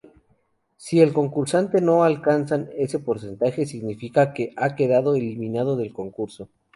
Si el concursante no alcanzan ese porcentaje, significa que ha quedado eliminado del concurso.